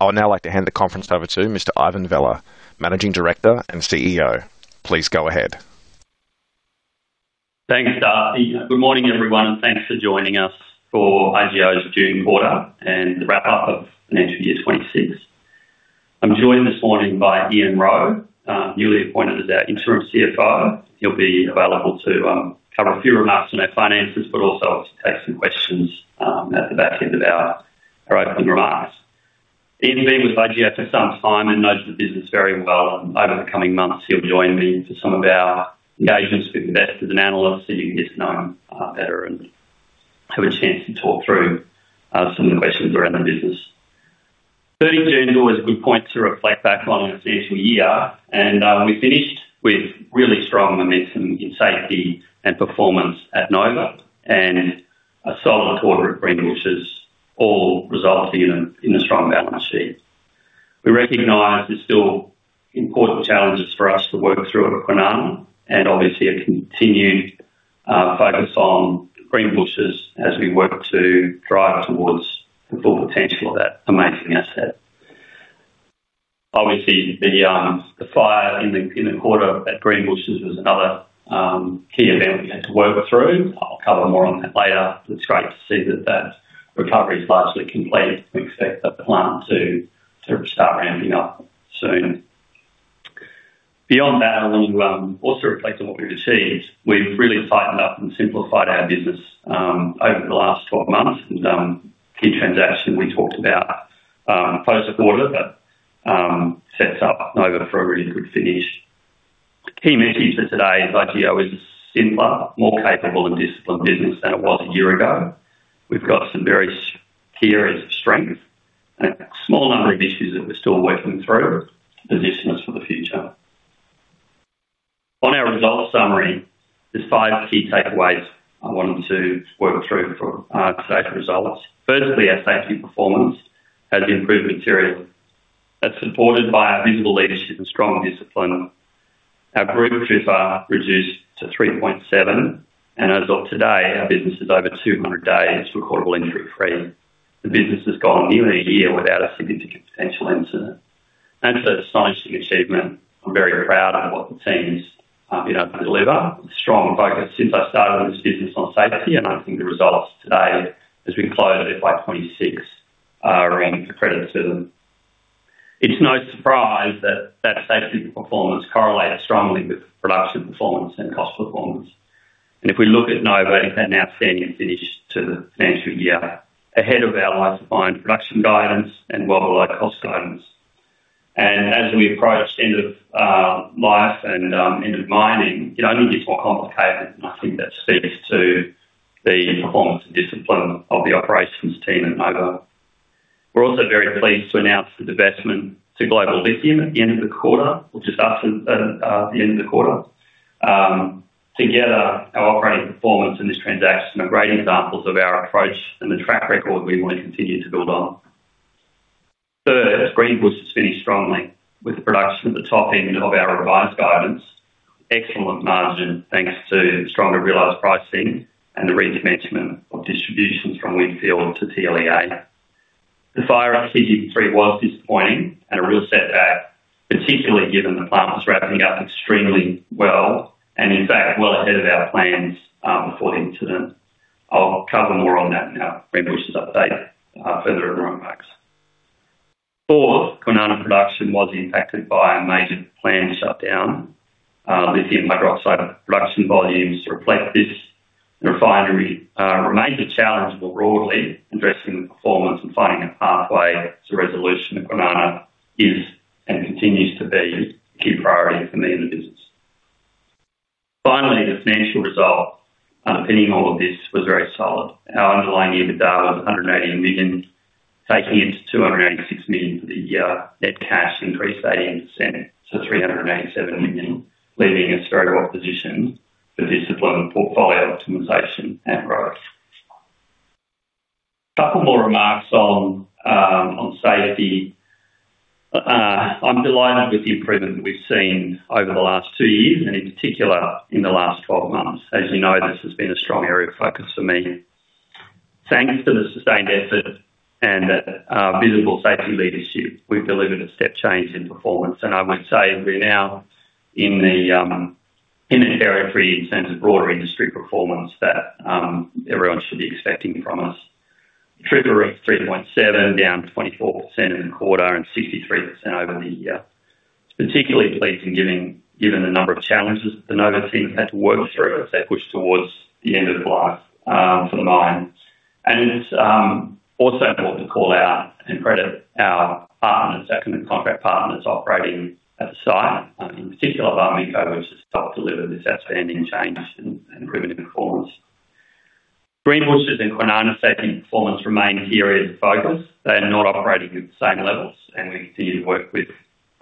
I would now like to hand the conference over to Mr. Ivan Vella, Managing Director and CEO. Please go ahead. Thanks, Darcy. Good morning, everyone, and thanks for joining us for IGO's June quarter and the wrap-up of financial year 2026. I'm joined this morning by Ian Rowe, newly appointed as our interim CFO. He'll be available to cover a few remarks on our finances, but also to take some questions at the back end of our opening remarks. Ian's been with IGO for some time and knows the business very well. Over the coming months, he'll join me for some of our engagements with investors and analysts so you can get to know him better and have a chance to talk through some of the questions around the business. 30 June's always a good point to reflect back on a financial year. We finished with really strong momentum in safety and performance at Nova and a solid quarter at Greenbushes, all resulting in a strong balance sheet. We recognize there's still important challenges for us to work through at Kwinana and obviously a continued focus on Greenbushes as we work to drive towards the full potential of that amazing asset. Obviously, the fire in the quarter at Greenbushes was another key event we had to work through. I'll cover more on that later. It's great to see that that recovery is largely complete. We expect the plant to start ramping up soon. Beyond that, I want to also reflect on what we've achieved. We've really tightened up and simplified our business over the last 12 months with a key transaction we talked about post-quarter that sets up Nova for a really good finish. Key message for today is IGO is a simpler, more capable, and disciplined business than it was a year ago. We've got some very key areas of strength and a small number of issues that we're still working through to position us for the future. On our results summary, there's five key takeaways I wanted to work through from our safe results. Firstly, our safety performance has improved materially. That's supported by our visible leadership and strong discipline. Our group TRIFR reduced to 3.7 and as of today, our business is over 200 days recordable injury free. The business has gone nearly a year without a significant potential incident. So it's an outstanding achievement. I'm very proud of what the team's been able to deliver. Strong focus since I started in this business on safety, and I think the results today as we close FY 2026 are a credit to them. It's no surprise that that safety performance correlates strongly with production performance and cost performance. If we look at Nova, it's an outstanding finish to the financial year. Ahead of our life of mine production guidance and well below cost guidance. As we approach end of life and end of mining, it only gets more complicated, and I think that speaks to the performance and discipline of the operations team at Nova. We're also very pleased to announce the divestment to Global Lithium at the end of the quarter or just after the end of the quarter. Together, our operating performance and this transaction are great examples of our approach and the track record we want to continue to build on. Third, Greenbushes finished strongly with production at the top end of our revised guidance. Excellent margin, thanks to stronger realized pricing and the recommencement of distributions from Windfield to TLEA. The fire at CGP3 was disappointing and a real setback, particularly given the plant was ramping up extremely well and in fact, well ahead of our plans, before the incident. I'll cover more on that in our Greenbushes update further in remarks. Fourth, Kwinana production was impacted by a major planned shutdown. Lithium hydroxide production volumes reflect this. The refinery remains a challenge more broadly. Addressing the performance and finding a pathway to resolution at Kwinana is and continues to be a key priority for me in the business. Finally, the financial result underpinning all of this was very solid. Our underlying EBITDA was 180 million, taking it to 286 million for the year. Net cash increased 18% to 387 million, leaving us very well positioned for discipline, portfolio optimization, and growth. Couple more remarks on safety. I'm delighted with the improvement we've seen over the last two years, and in particular in the last 12 months. As you know, this has been a strong area of focus for me. Thanks to the sustained effort and that visible safety leadership, we've delivered a step change in performance and I would say we're now in the territory in terms of broader industry performance that everyone should be expecting from us. TRIFR of 3.7, down 24% in the quarter and 63% over the year. Particularly pleased given the number of challenges the Nova team have had to work through as they push towards the end of life for the mine. It's also important to call out and credit our partners, our contract partners operating at the site. In particular, Barminco, which has helped deliver this outstanding change and improvement in performance. Greenbushes and Kwinana safety and performance remain key areas of focus. They are not operating at the same levels, we continue to work with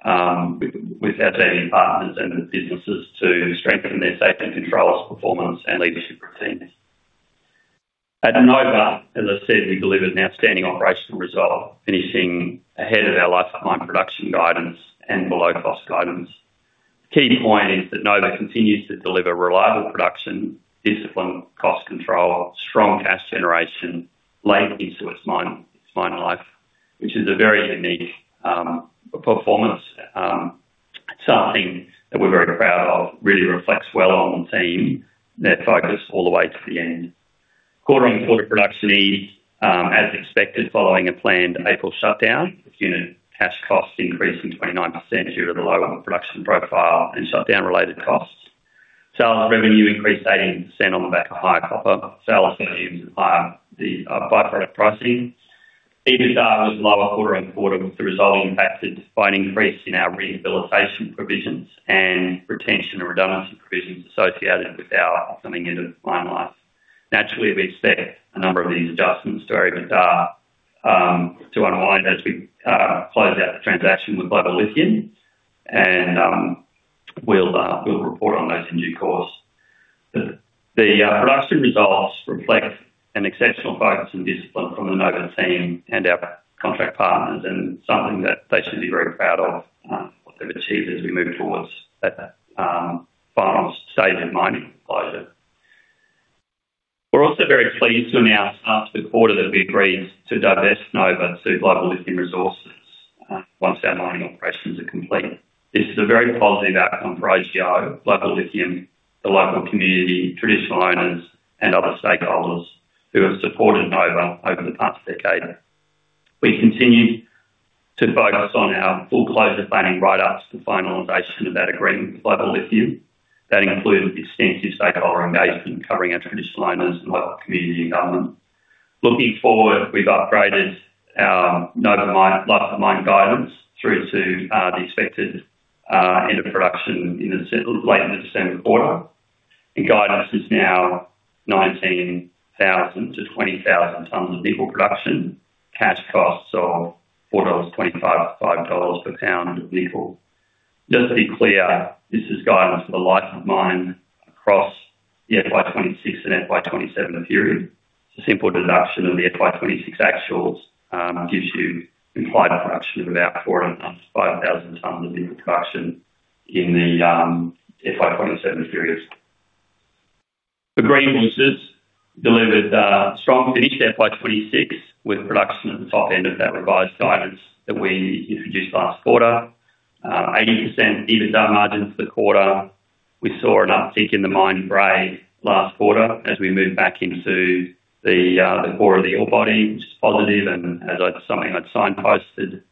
our joint partners and the businesses to strengthen their safety controls, performance, and leadership routines. At Nova, as I said, we delivered an outstanding operational result, finishing ahead of our life of mine production guidance and below cost guidance. Key point is that Nova continues to deliver reliable production, discipline, cost control, strong cash generation late into its mine life, which is a very unique performance. Something that we're very proud of, really reflects well on the team, their focus all the way to the end. Quarter on quarter production is, as expected, following a planned April shutdown. Unit cash costs increased 29% due to the lower production profile and shutdown related costs. Sales revenue increased 18% on the back of higher copper sales volumes and higher by-product pricing. EBITDA was lower quarter-on-quarter with the resulting factors despite an increase in our rehabilitation provisions and retention or redundancy provisions associated with our upcoming end of mine life. Naturally, we expect a number of these adjustments to EBITDA, to unwind as we close out the transaction with Global Lithium, and we will report on those in due course. The production results reflect an exceptional focus and discipline from the Nova team and our contract partners and something that they should be very proud of, what they have achieved as we move towards that final stage of mining closure. We are also very pleased to announce last quarter that we have agreed to divest Nova to Global Lithium Resources once our mining operations are complete. This is a very positive outcome for IGO, Global Lithium, the local community, traditional owners, and other stakeholders who have supported Nova over the past decade. We continue to focus on our full closure planning right up to the finalization of that agreement with Global Lithium. That included extensive stakeholder engagement covering our traditional owners, local community, and government. Looking forward, we have upgraded our Nova life of mine guidance through to the expected end of production in late in the December quarter, and guidance is now 19,000-20,000 tonnes of nickel production. Cash costs of 4.25-5 dollars/lb of nickel. Just to be clear, this is guidance for the life of mine across the FY 2026 and FY 2027 period. Simple deduction of the FY 2026 actuals gives you implied production of about 19,000-20,000 tons of nickel production in the FY 2027 period. The Greenbushes delivered a strong finish FY 2026 with production at the top end of that revised guidance that we introduced last quarter. 80% EBITDA margins for the quarter. We saw an uptick in the mine grade last quarter as we moved back into the core of the ore body, which is positive and something I had signposted.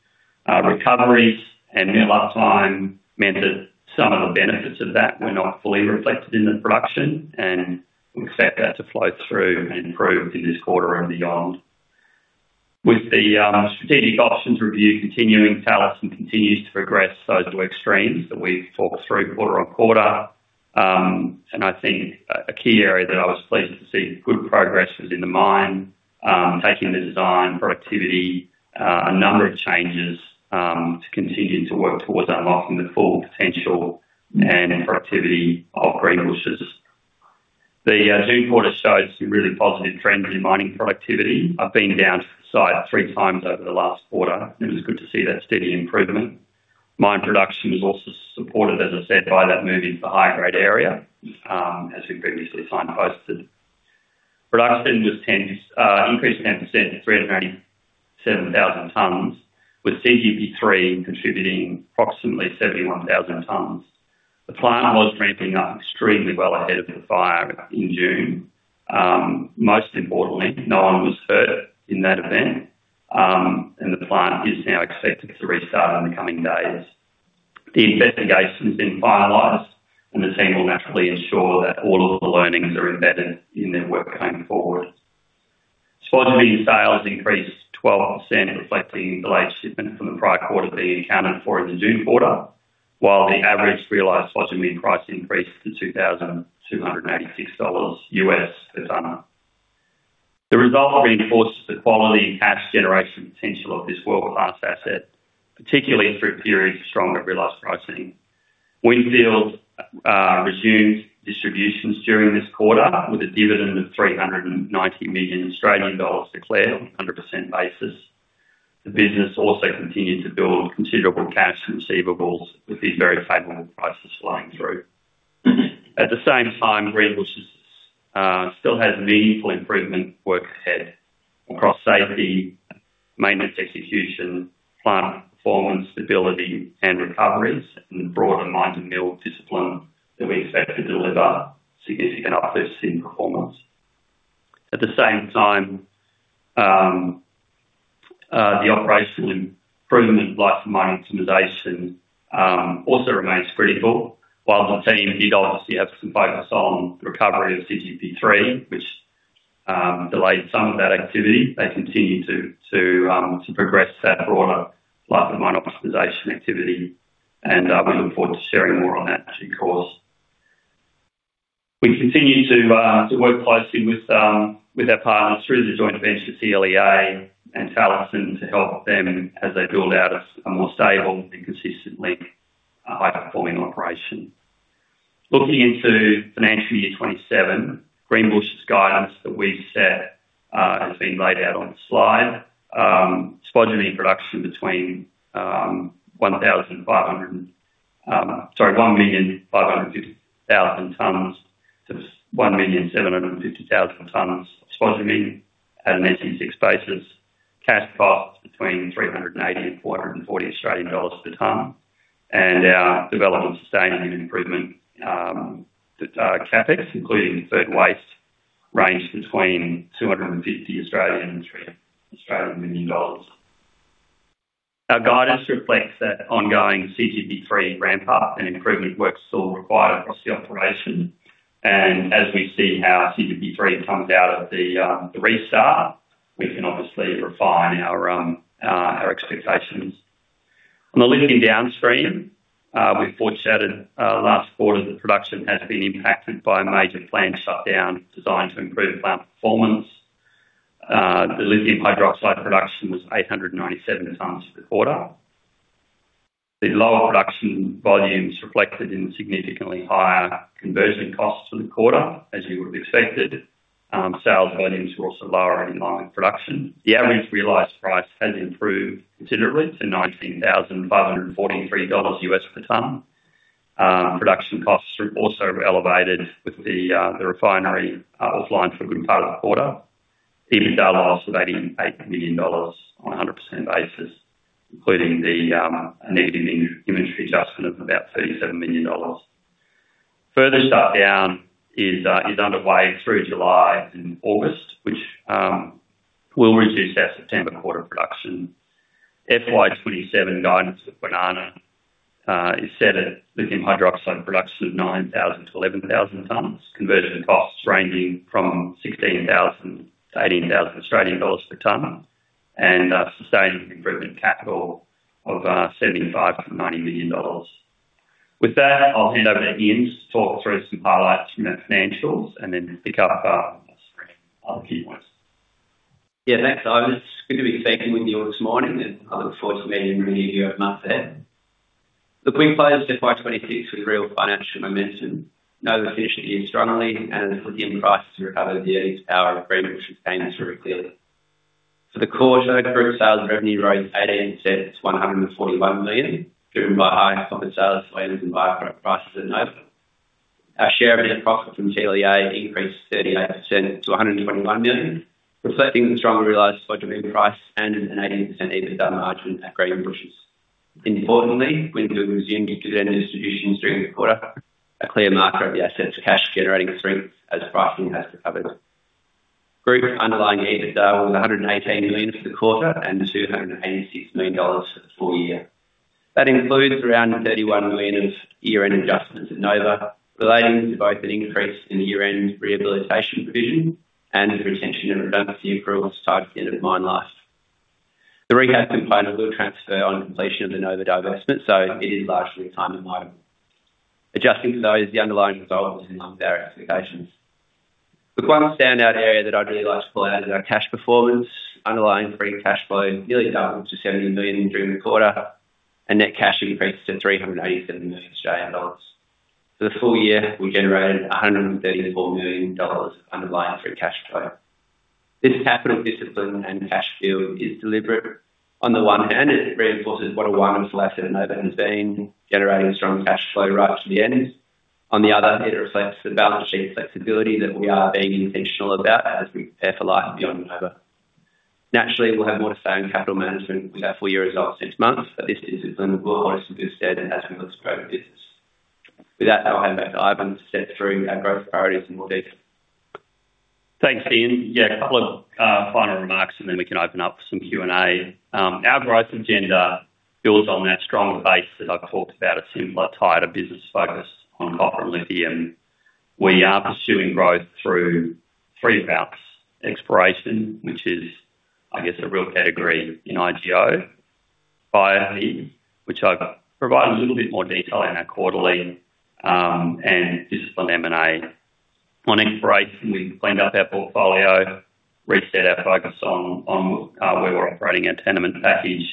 Recoveries and mill uptime meant that some of the benefits of that were not fully reflected in the production, and we expect that to flow through and improve in this quarter and beyond. With the strategic options review continuing, Talison continues to progress those work streams that we have talked through quarter-on-quarter. I think a key area that I was pleased to see good progress was in the mine, taking the design for activity, a number of changes, to continue to work towards unlocking the full potential and productivity of Greenbushes. The June quarter showed some really positive trends in mining productivity. I have been down to the site three times over the last quarter, and it was good to see that steady improvement. Mine production was also supported, as I said, by that move into higher grade area, as we previously signposted. Production increased 10% to 397,000 tons, with CGP3 contributing approximately 71,000 tons. The plant was ramping up extremely well ahead of the fire in June. Most importantly, no one was hurt in that event, and the plant is now expected to restart in the coming days. The investigation has been finalized, and the team will naturally ensure that all of the learnings are embedded in their work going forward. Spodumene sales increased 12%, reflecting delayed shipment from the prior quarter being accounted for in the June quarter, while the average realized spodumene price increased to $2,286 per tonne. The result reinforces the quality and cash generation potential of this world-class asset, particularly through a period of stronger realized pricing. Windfield resumed distributions during this quarter with a dividend of 390 million Australian dollars declared on 100% basis. The business also continued to build considerable cash and receivables with these very favorable prices flowing through. At the same time, Greenbushes still has meaningful improvement work ahead across safety, maintenance execution, plant performance, stability, and recoveries, and the broader mine to mill discipline that we expect to deliver significant uplifts in performance. At the same time, the operational improvement life of mine optimization also remains critical. While the team did obviously have some focus on the recovery of CGP3, which delayed some of that activity, they continue to progress that broader life of mine optimization activity, and we look forward to sharing more on that in due course. We continue to work closely with our partners through the joint venture TLEA and Talison to help them as they build out a more stable and consistent link high-performing operation. Looking into FY 2027, Greenbushes guidance that we've set has been laid out on the slide. Spodumene production between 1,550,000-1,750,000 tons of spodumene at an SC6 basis. Cash costs between 380 and 440 Australian dollars per tons. And our development, sustain and improvement CapEx, including third waste, range between 250 million dollars and AUD 300 million. Our guidance reflects that ongoing CGP3 ramp-up and improvement works still required across the operation. As we see how CGP3 comes out of the restart, we can obviously refine our expectations. On the lithium downstream, we foreshadowed last quarter that production has been impacted by a major plant shutdown designed to improve plant performance. The lithium hydroxide production was 897 tons for the quarter. The lower production volumes reflected in significantly higher conversion costs for the quarter, as you would've expected. Sales volumes were also lower in line with production. The average realized price has improved considerably to $19,543 per tonne. Production costs are also elevated with the refinery offline for a good part of the quarter. EBITDA loss of 88 million dollars on 100% basis, including the negative inventory adjustment of about 37 million dollars. Further shutdown is underway through July and August, which will reduce our September quarter production. FY 2027 guidance at Kwinana is set at lithium hydroxide production of 9,000-11,000 tons. Conversion costs ranging from 16,000-18,000 Australian dollars per tonne. And sustaining improvement capital of 75 million-90 million dollars. With that, I'll hand over to Ian, just talk through some highlights from our financials, and then pick up on a few points. Thanks, Ivan. It's good to be speaking with you all this morning, and I look forward to meeting many of you over the months ahead. The quick play is FY 2026 with real financial momentum. Nova finished the year strongly, and as lithium prices recovered, the EBITDA outcome at Greenbushes came through clearly. For the quarter, group sales revenue rose 18% to 141 million, driven by higher copper sales volumes and higher copper prices at Nova. Our share of net profit from TLEA increased 38% to 121 million, reflecting the strong realized spodumene price and an 80% EBITDA margin at Greenbushes. Importantly, Kwinana resumed dividend distributions during the quarter, a clear marker of the asset's cash-generating strength as pricing has recovered. Group underlying EBITDA was AUD 118 million for the quarter and AUD 286 million for the full year. That includes around AUD 31 million of year-end adjustments at Nova, relating to both an increase in the year-end rehabilitation provision and the retention and redundancy accruals tied to the end of mine life. The recap component will transfer on completion of the Nova divestment, so it is largely timing item. Adjusting for those, the underlying result was in line with our expectations. The one standout area that I'd really like to call out is our cash performance. Underlying free cash flow nearly doubled to 70 million during the quarter, and net cash increased to 387 million Australian dollars. For the full year, we generated 134 million dollars underlying free cash flow. This capital discipline and cash build is deliberate. On the one hand, it reinforces what a once-in-a-lifetime at Nova has been, generating strong cash flow right to the end. On the other, it reflects the balance sheet flexibility that we are being intentional about as we prepare for life beyond Nova. Naturally, we'll have more to say on capital management with our full year results next month, but this discipline will hold us in good stead as we build scale of business. With that, I'll hand back to Ivan to step through our growth priorities in more depth. Thanks, Ian. A couple of final remarks, and then we can open up for some Q&A. Our growth agenda builds on that strong base that I've talked about, a simpler, tighter business focus on copper and lithium. We are pursuing growth through three routes. Exploration, which is, I guess, a real category in IGO. BioHeap, which I provide a little bit more detail in our quarterly, and discipline M&A. On exploration, we've cleaned up our portfolio, reset our focus on where we're operating our tenement package,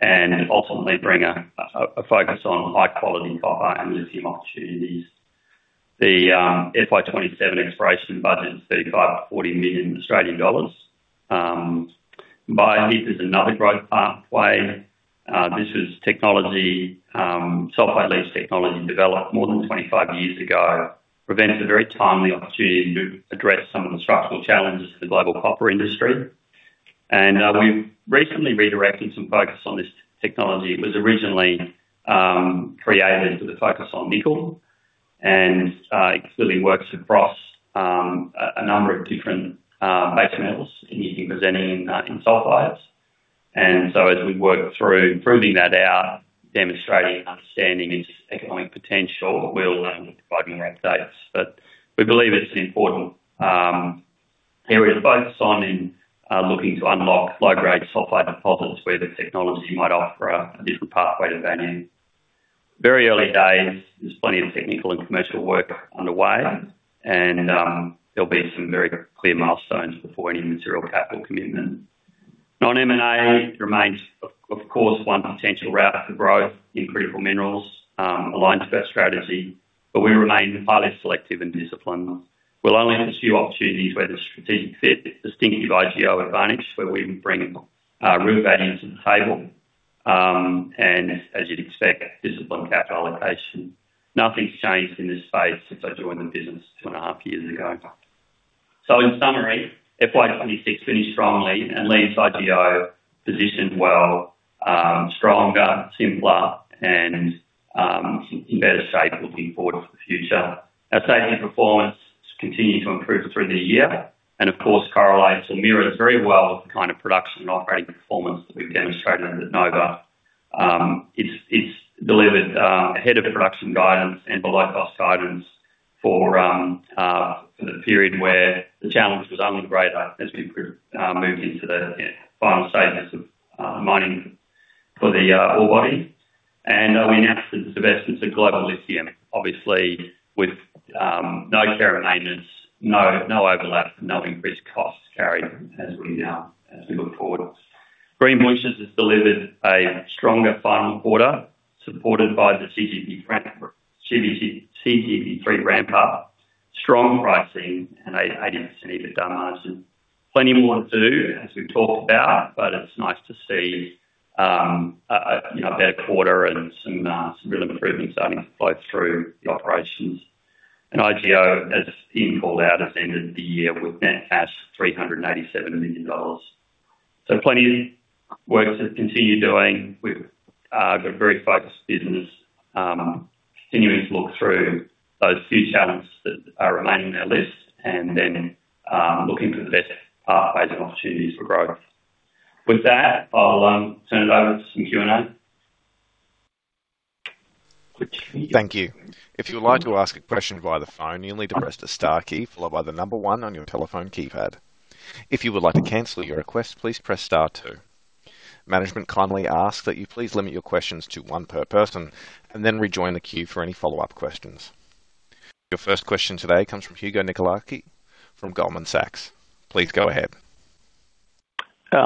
and ultimately bring a focus on high-quality copper and lithium opportunities. The FY 2027 exploration budget is AUD 35 million-AUD 40 million. BioHeap is another growth pathway. This was sulphide leach technology developed more than 25 years ago, presents a very timely opportunity to address some of the structural challenges for the global copper industry. We've recently redirected some focus on this technology. It was originally created with a focus on nickel, and it clearly works across a number of different base metals, anything presenting in sulfides. As we work through proving that out, demonstrating understanding its economic potential, we'll provide more updates. We believe it's an important area to focus on in looking to unlock low-grade sulfide deposits where the technology might offer a different pathway to value. Very early days. There's plenty of technical and commercial work underway, and there'll be some very clear milestones before any material capital commitment. Non-M&A remains, of course, one potential route for growth in critical minerals, aligns with our strategy, but we remain highly selective and disciplined. We'll only pursue opportunities where there's strategic fit, distinctive IGO advantage, where we can bring real value to the table. As you'd expect, disciplined capital allocation. Nothing's changed in this space since I joined the business two and a half years ago. In summary, FY 2026 finished strongly and leaves IGO positioned well, stronger, simpler, and in better shape looking forward to the future. Our safety performance continued to improve through the year, and of course, correlates and mirrors very well with the kind of production and operating performance that we've demonstrated at Nova. It's delivered ahead of production guidance and below-cost guidance for the period where the challenge was only greater as we moved into the final stages of mining for the ore body. We announced the divestment to Global Lithium, obviously, with no share maintenance, no overlap, and no increased costs carried as we look forward. Greenbushes has delivered a stronger final quarter, supported by the CGP3 ramp-up, strong pricing, and 80% EBITDA margin. Plenty more to do, as we've talked about, but it's nice to see a better quarter and some real improvements starting to flow through the operations. IGO, as Ian called out, has ended the year with net cash 387 million dollars. Plenty of work to continue doing. We've got a very focused business, continuing to look through those few challenges that are remaining on our list and then looking for the best pathways and opportunities for growth. With that, I'll turn it over to some Q&A. Thank you. If you would like to ask a question via the phone, you'll need to press the star key followed by the number one on your telephone keypad. If you would like to cancel your request, please press star two. Management kindly ask that you please limit your questions to one per person and then rejoin the queue for any follow-up questions. Your first question today comes from Hugo Nicolaci from Goldman Sachs. Please go ahead.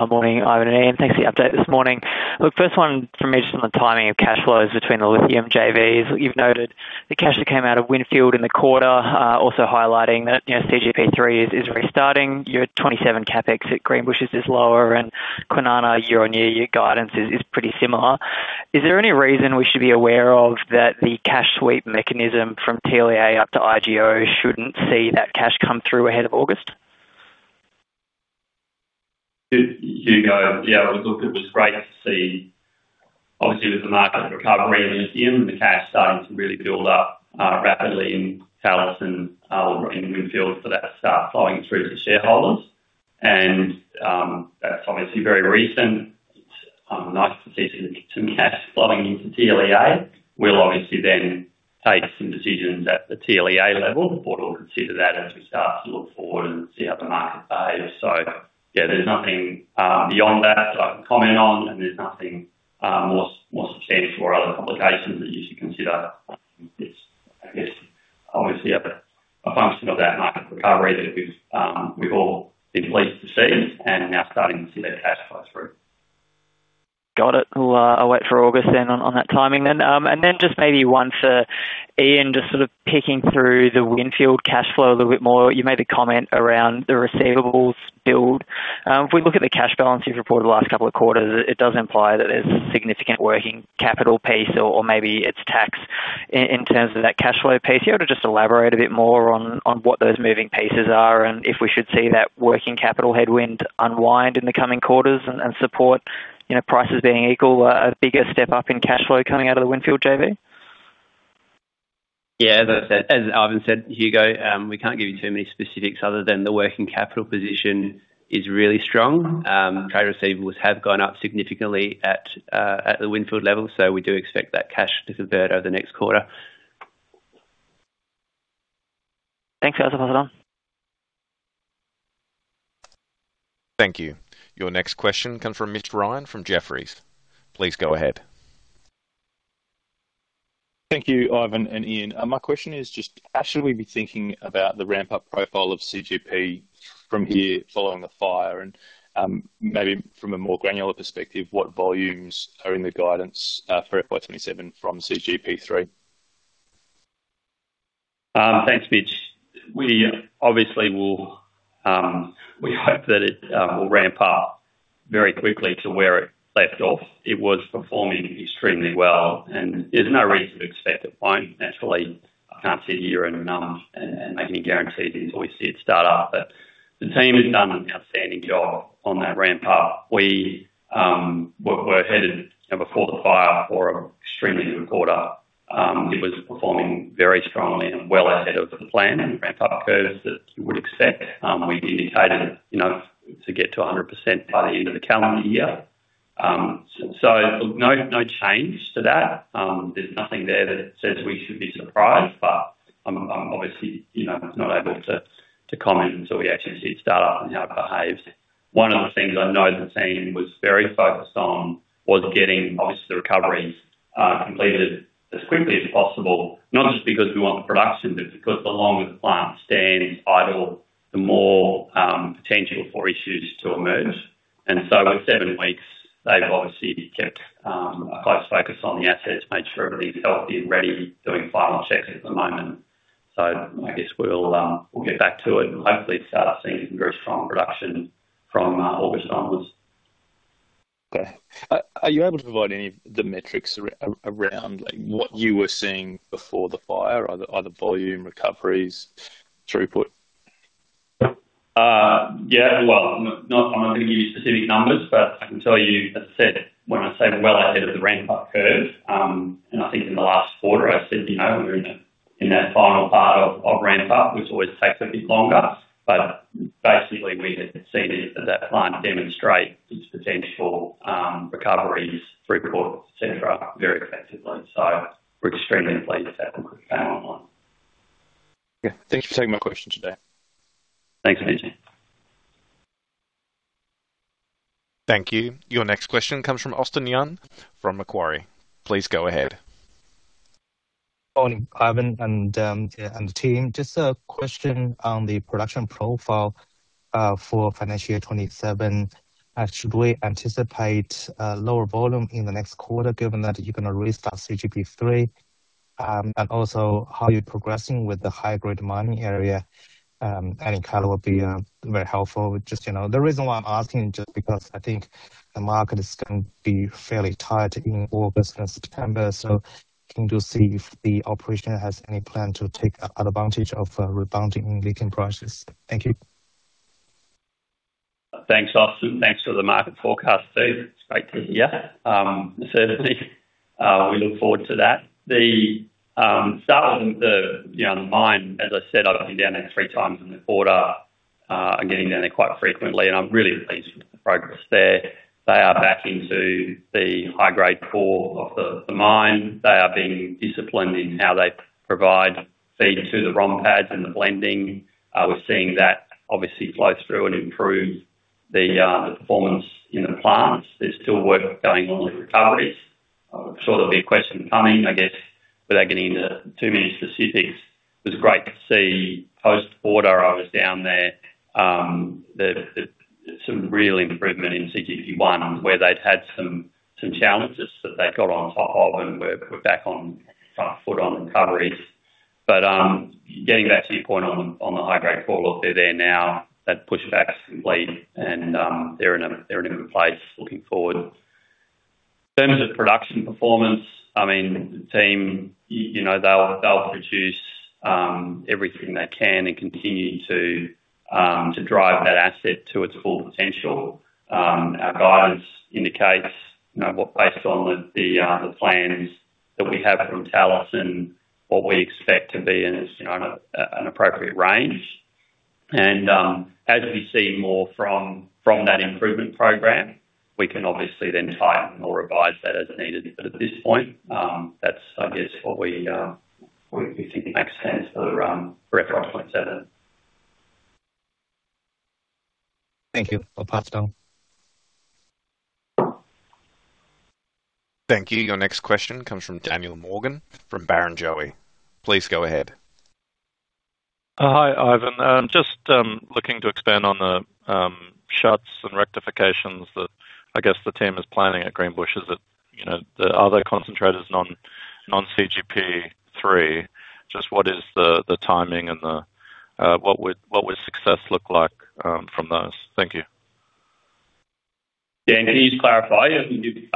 Morning, Ivan and Ian. Thanks for the update this morning. Look, first one from me, just on the timing of cash flows between the lithium JVs. You've noted the cash that came out of Windfield in the quarter, also highlighting that CGP3 is restarting. Your 2027 CapEx at Greenbushes is lower, and Kwinana year-on-year, your guidance is pretty similar. Is there any reason we should be aware of that the cash sweep mechanism from TLEA up to IGO shouldn't see that cash come through ahead of August? Hugo, yeah, look, it was great to see, obviously, with the market recovery in lithium, the cash starting to really build up rapidly in Talison, in Windfield, for that to start flowing through to shareholders. That's obviously very recent. It's nice to see some cash flowing into TLEA. We'll obviously take some decisions at the TLEA level, the board will consider that as we start to look forward and see how the market behaves. Yeah, there's nothing beyond that I can comment on, there's nothing more substantial or other complications that you should consider. It's, I guess, obviously, a function of that market recovery that we've all been pleased to see and now starting to see that cash flow through. Got it. Cool. I'll wait for August on that timing. Just maybe one for Ian, just sort of pecking through the Windfield cash flow a little bit more. You made a comment around the receivables build. If we look at the cash balance you've reported the last couple of quarters, it does imply that there's a significant working capital piece or maybe it's tax in terms of that cash flow piece. You able to just elaborate a bit more on what those moving pieces are and if we should see that working capital headwind unwind in the coming quarters and support, prices being equal, a bigger step up in cash flow coming out of the Windfield JV? Yeah. As Ivan said, Hugo, we can't give you too many specifics other than the working capital position is really strong. Trade receivables have gone up significantly at the Windfield level, we do expect that cash to convert over the next quarter. Thanks. That's helpful. Thank you. Your next question comes from Mitch Ryan from Jefferies. Please go ahead. Thank you, Ivan and Ian. My question is just how should we be thinking about the ramp-up profile of CGP from here following the fire? Maybe from a more granular perspective, what volumes are in the guidance for FY 2027 from CGP3? Thanks, Mitch. We hope that it will ramp up very quickly to where it left off. It was performing extremely well, there's no reason to expect it won't. Naturally, I can't sit here and make any guarantees until we see it start up. The team has done an outstanding job on that ramp-up. We were headed, before the fire, for an extremely good quarter. It was performing very strongly and well ahead of the plan and ramp-up curves that you would expect. We've indicated to get to 100% by the end of the calendar year. No change to that. There's nothing there that says we should be surprised, I'm obviously not able to comment until we actually see it start up and how it behaves. One of the things I know the team was very focused on was getting, obviously, the recovery completed as quickly as possible, not just because we want the production, but because the longer the plant stands idle, the more potential for issues to emerge. At seven weeks, they've obviously kept a close focus on the assets, made sure everything's healthy and ready, doing final checks at the moment. I guess we'll get back to it and hopefully start seeing some very strong production from August onwards. Okay. Are you able to provide any of the metrics around what you were seeing before the fire? Either volume, recoveries, throughput? Yeah. Well, I'm not going to give you specific numbers, but I can tell you, as I said, when I say we're well ahead of the ramp-up curve, and I think in the last quarter, I said, we're in that final part of ramp-up, which always takes a bit longer, but basically we have seen that plant demonstrate its potential, recoveries, throughput, et cetera, very effectively. We're extremely pleased with that. Yeah. Thank you for taking my question today. Thanks, Mitch. Thank you. Your next question comes from Austin Yun from Macquarie. Please go ahead. Morning, Ivan and the team. Just a question on the production profile, for financial year 2027. Should we anticipate lower volume in the next quarter given that you're going to restart CGP3? How are you progressing with the high-grade mining area? Any color would be very helpful. The reason why I'm asking is just because I think the market is going to be fairly tight in August and September. Keen to see if the operation has any plan to take advantage of rebounding lithium prices. Thank you. Thanks, Austin. Thanks for the market forecast too. It's great to hear. Certainly, we look forward to that. Starting with the mine, as I said, I've been down there three times in the quarter, and getting down there quite frequently, and I'm really pleased with the progress there. They are back into the high-grade core of the mine. They are being disciplined in how they provide feed to the ROM pads and the blending. We're seeing that obviously flow through and improve the performance in the plants. There's still work going on with recoveries. I was sure there'd be a question coming, I guess, without getting into too many specifics, it was great to see post-quarter, I was down there. There's some real improvement in CGP1 where they'd had some challenges that they got on top of and we're back on a front foot on recoveries. Getting back to your point on the high-grade core, look, they're there now. That pushback's complete and they're in a good place looking forward. In terms of production performance, the team, they'll produce everything they can and continue to drive that asset to its full potential. Our guidance indicates based on the plans that we have from Talison, what we expect to be in is an appropriate range. As we see more from that improvement program, we can obviously then tighten or revise that as needed. At this point, that's I guess what we think makes sense for FY 2027. Thank you. I'll pass now. Thank you. Your next question comes from Daniel Morgan from Barrenjoey. Please go ahead. Hi, Ivan. Just looking to expand on the shuts and rectifications that I guess the team is planning at Greenbushes. Are their concentrators non-CGP3? Just what is the timing and what would success look like from those? Thank you. Dan, can you just clarify? Are you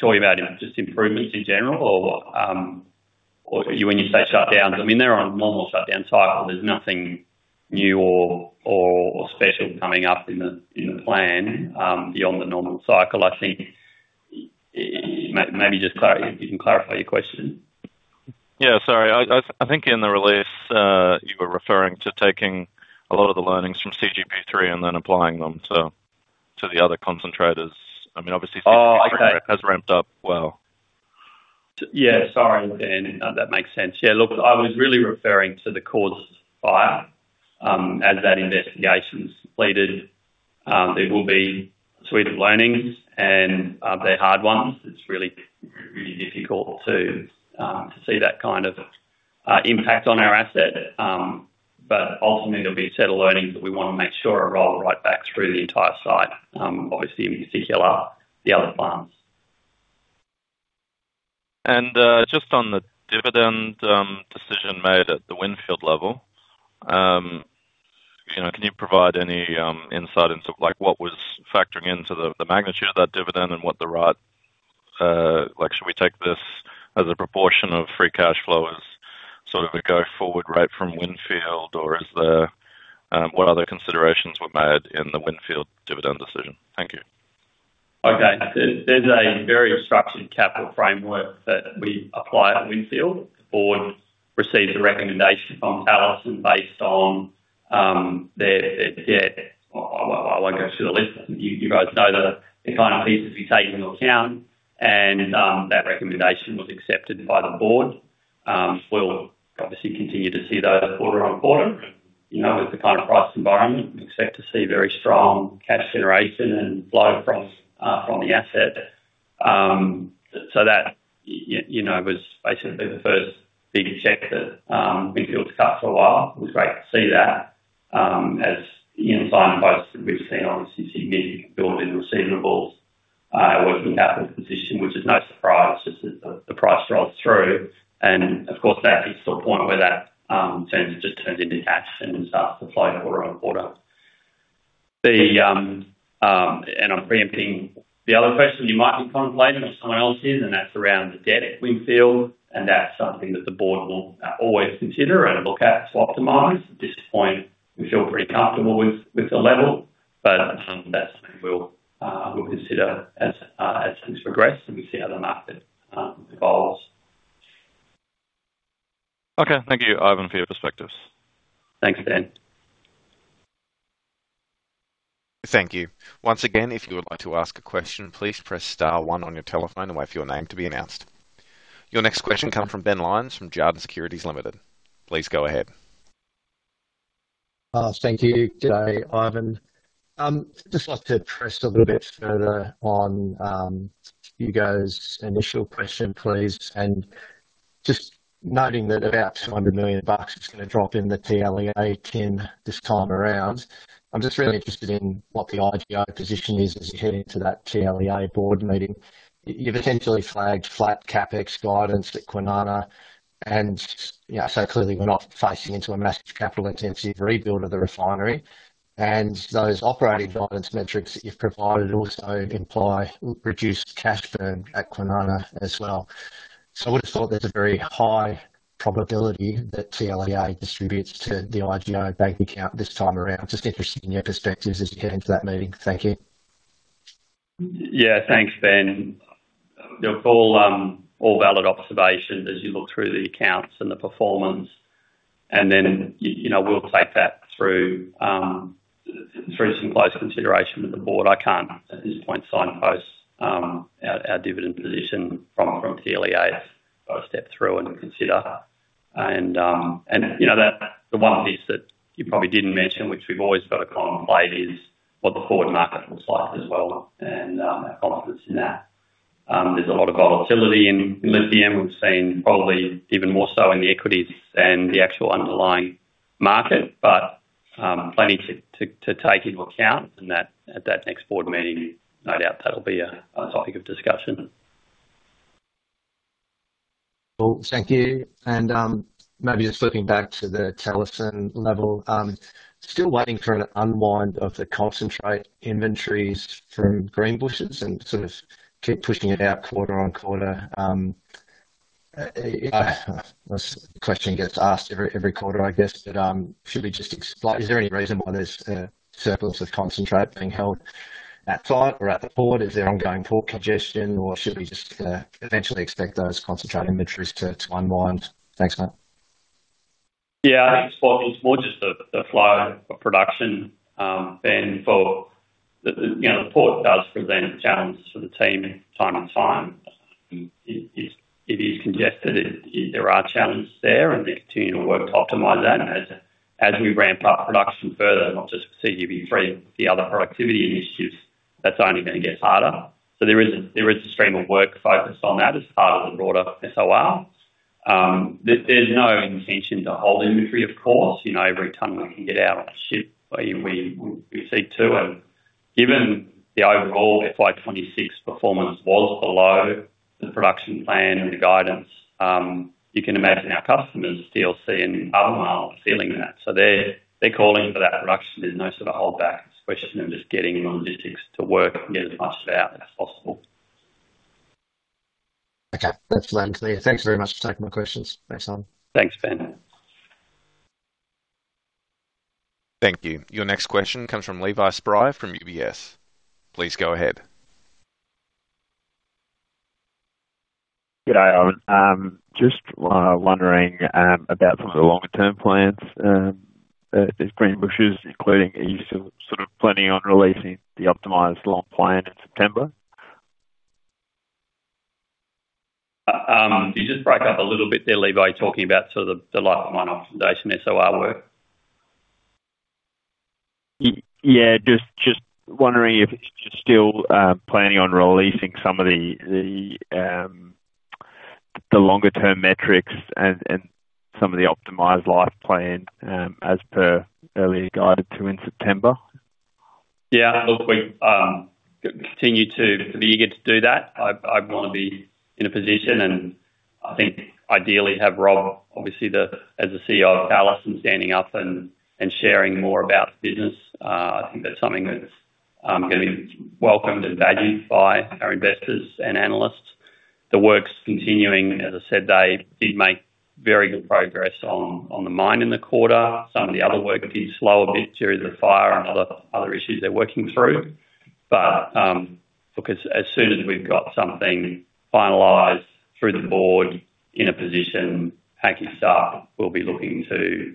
talking about just improvements in general or when you say shutdowns, they're on a normal shutdown cycle. There's nothing new or special coming up in the plan, beyond the normal cycle. Maybe you can clarify your question. Yeah, sorry. I think in the release, you were referring to taking a lot of the learnings from CGP3 and then applying them to the other concentrators. Obviously. Oh, okay. CGP3 has ramped up well. Yeah. Sorry, Daniel. That makes sense. Yeah, look, I was really referring to the cause of the fire. As that investigation's completed, there will be a suite of learnings and they're hard ones. It's really difficult to see that kind of impact on our asset. Ultimately, there'll be a set of learnings that we want to make sure are rolled right back through the entire site, obviously in particular, the other plants. Just on the dividend, decision made at the Windfield level. Can you provide any insight into what was factoring into the magnitude of that dividend and should we take this as a proportion of free cash flow as sort of a go forward rate from Windfield? What other considerations were made in the Windfield dividend decision? Thank you. Okay. There's a very structured capital framework that we apply at Windfield. The board receives a recommendation from Talison based on their debt. I won't go through the list. You guys know the kind of pieces we take into account, that recommendation was accepted by the board. We'll obviously continue to see those quarter on quarter. With the kind of price environment, we expect to see very strong cash generation and flow from the asset. That was basically the first big check that Windfield's cut for a while. It was great to see that, as in signposts that we've seen obviously significant build in receivables, working capital position, which is no surprise as the price rolls through. Of course, that gets to a point where that just turns into cash and starts to flow quarter on quarter. I'm preempting the other question you might be contemplating, or someone else is, and that's around the debt at Windfield, and that's something that the board will always consider and look at to optimize. At this point, we feel pretty comfortable with the level. That's something we'll consider as things progress, and we see how the market evolves. Okay. Thank you, Ivan, for your perspectives. Thanks, Dan. Thank you. Once again, if you would like to ask a question, please press star one on your telephone and wait for your name to be announced. Your next question comes from Ben Lyons, from Jarden Securities Limited. Please go ahead. Thank you. Good day, Ivan. Just like to press a little bit further on Hugo's initial question, please, and just noting that about 200 million bucks is going to drop in the TLEA tin this time around. I'm just really interested in what the IGO position is as we head into that TLEA board meeting. You've essentially flagged flat CapEx guidance at Kwinana. Clearly we're not facing into a massive capital-intensive rebuild of the refinery. Those operating guidance metrics that you've provided also imply reduced cash burn at Kwinana as well. I would have thought there's a very high probability that TLEA distributes to the IGO bank account this time around. Just interested in your perspectives as we head into that meeting. Thank you. Yeah. Thanks, Ben. Look, all valid observations as you look through the accounts and the performance, then we'll take that through some close consideration with the board. I can't at this point signpost our dividend position from TLEA. Got to step through and consider. The one piece that you probably didn't mention, which we've always got to contemplate, is what the forward market looks like as well and our confidence in that. There's a lot of volatility in lithium. We've seen probably even more so in the equities than the actual underlying market, but plenty to take into account at that next board meeting. No doubt that'll be a topic of discussion. Well, thank you. Maybe just looping back to the Talison level. Still waiting for an unwind of the concentrate inventories from Greenbushes and sort of keep pushing it out quarter-on-quarter. This question gets asked every quarter, I guess. Is there any reason why there's a surplus of concentrate being held at site or at the port? Is there ongoing port congestion or should we just eventually expect those concentrate inventories to unwind? Thanks, mate. Yeah, I think it's more just the flow of production, Ben. The port does present challenges for the team from time to time. It is congested. There are challenges there, and they're continuing to work to optimize that. As we ramp up production further, not just for CGP3, the other productivity initiatives, that's only gonna get harder. There is a stream of work focused on that as part of the broader SoR. There's no intention to hold inventory, of course. Every tonne we can get out and shipped, we see to it. Given the overall FY 2026 performance was below the production plan and the guidance, you can imagine our customers, TLC and Albemarle, are feeling that. They're calling for that production. There's no sort of hold back. It's a question of just getting the logistics to work and get as much of it out as possible. Okay. That's clear. Thanks very much for taking my questions. Thanks a lot. Thanks, Ben. Thank you. Your next question comes from Levi Spry from UBS. Please go ahead. G'day, Ivan. Just wondering about some of the longer-term plans at Greenbushes, including are you still sort of planning on releasing the optimized long plan in September? You just broke up a little bit there, Levi, talking about sort of the life of mine optimization, SOR work. Yeah, just wondering if you're still planning on releasing some of the longer-term metrics and some of the optimized life plan, as per earlier guided to in September. Yeah. Look, we continue to be eager to do that. I want to be in a position and I think ideally have Rob, obviously as the CEO of Talison, standing up and sharing more about the business. I think that's something that's getting welcomed and valued by our investors and analysts. The work's continuing. As I said, they did make very good progress on the mine in the quarter. Some of the other work did slow a bit due to the fire and other issues they're working through. Look, as soon as we've got something finalized through the board in a position, package up, we'll be looking to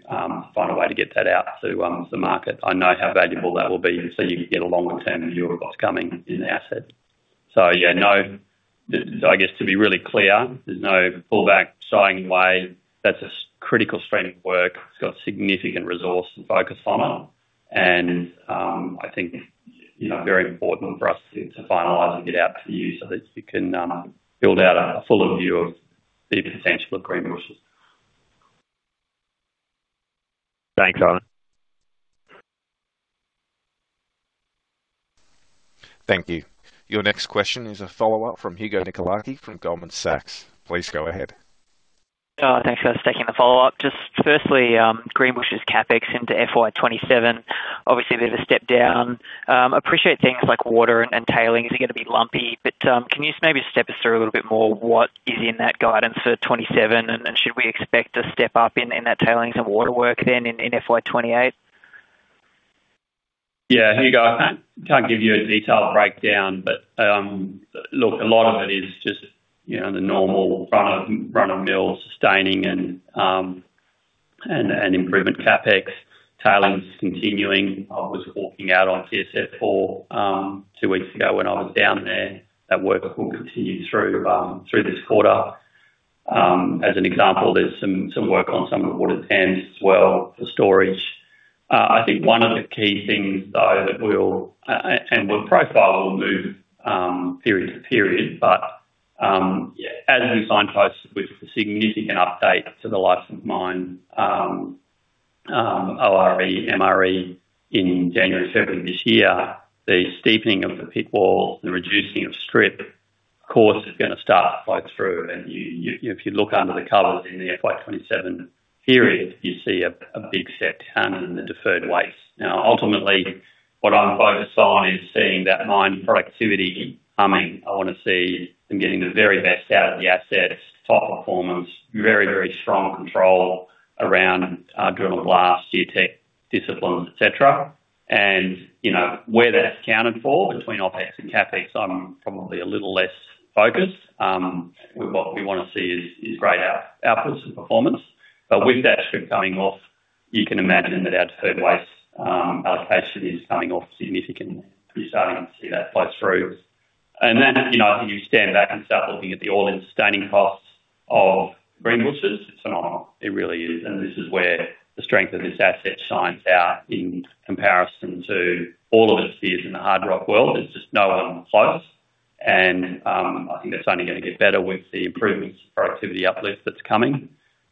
find a way to get that out to the market. I know how valuable that will be so you can get a longer-term view of what's coming in the asset. Yeah, I guess to be really clear, there's no pullback, slowing away. That's a critical stream of work. It's got significant resource and focus on it. I think very important for us to finalize and get out to you so that you can build out a fuller view of the potential of Greenbushes. Thanks, Ivan. Thank you. Your next question is a follow-up from Hugo Nicolaci from Goldman Sachs. Please go ahead. Thanks for taking the follow-up. Just firstly, Greenbushes CapEx into FY 2027, obviously there's a step down. Appreciate things like water and tailings are going to be lumpy. Can you just maybe step us through a little bit more what is in that guidance for 2027, and should we expect a step up in that tailings and water work in FY 2028? Yeah. Hugo, I can't give you a detailed breakdown. Look, a lot of it is just the normal run of mill sustaining and improvement CapEx, tailings continuing. I was walking out on TSF four weeks ago when I was down there. That work will continue through this quarter. As an example, there's some work on some of the water tanks as well for storage. I think one of the key things, though, and we'll profile the move period to period. As we signposted with the significant update to the life of mine, ORE, MRE in January, February of this year, the steeping of the pit walls and reducing of strip costs is going to start to flow through. If you look under the covers in the FY 2027 period, you see a big step in the deferred waste. Now, ultimately, what I'm focused on is seeing that mine productivity humming. I want to see them getting the very best out of the assets, top performance, very strong control around drill and blast, geotech disciplines, et cetera. Where that's accounted for between OpEx and CapEx, I'm probably a little less focused. What we want to see is great outputs and performance. With that strip coming off, you can imagine that deferred waste allocation is coming off significantly. You're starting to see that flow through. Then, you stand back and start looking at the all-in sustaining costs of Greenbushes, it's an eye opener, it really is. This is where the strength of this asset shines out in comparison to all of its peers in the hard rock world. There's just no one close. I think that's only going to get better with the improvements, productivity uplift that's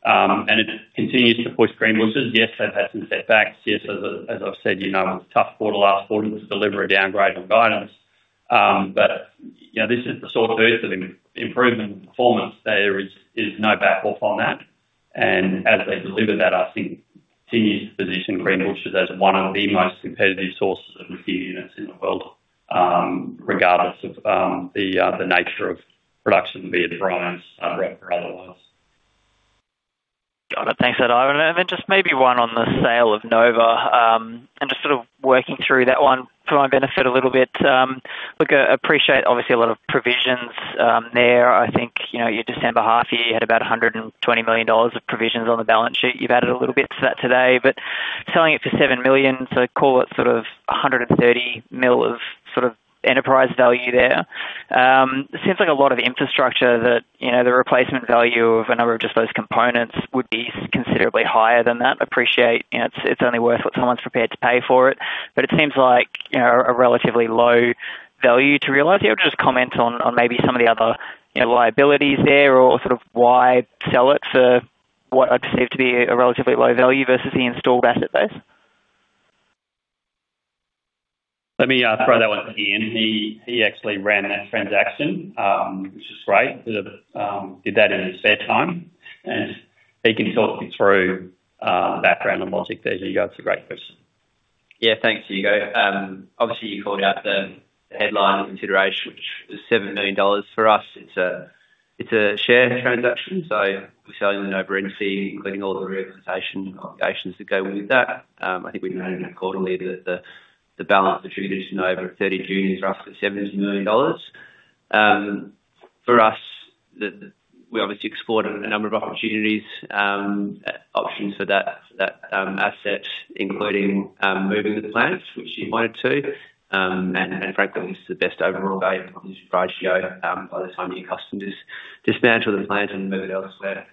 coming. It continues to push Greenbushes. Yes, they've had some setbacks. Yes, as I've said, it was a tough quarter last quarter to deliver a downgrade on guidance. This is the sore tooth of improvement in performance. There is no back off on that. As they deliver that, I think continues to position Greenbushes as one of the most competitive sources of repeat units in the world, regardless of the nature of production, be it dry, subrit or otherwise. Got it. Thanks for that, Ivan. Then just maybe one on the sale of Nova. Just sort of working through that one for my benefit a little bit. I appreciate, obviously, a lot of provisions there. I think your December half year, you had about 120 million dollars of provisions on the balance sheet. You've added a little bit to that today. Selling it for 7 million, so call it 130 million of enterprise value there. It seems like a lot of infrastructure that the replacement value of a number of just those components would be considerably higher than that. Appreciate it's only worth what someone's prepared to pay for it. It seems like a relatively low value to realize. Can you just comment on maybe some of the other liabilities there or sort of why sell it for what I perceive to be a relatively low value versus the installed asset base? Let me throw that one to Ian. He actually ran that transaction, which is great. Did that in his spare time, He can talk you through the background and logic there, Hugo. It's a great question. Thanks, Hugo. You called out the headline consideration, which was 7 million dollars. For us, it's a share transaction, so we're selling the Nova entity, including all the representation and obligations that go with that. I think we noted in our quarterly that the balance attributed to Nova at 30th June is roughly 70 million dollars. For us, we obviously explored a number of opportunities, options for that asset, including moving the plant, which you pointed to. Frankly, this is the best overall value proposition ratio by the time you customers dismantle the plant and move it elsewhere.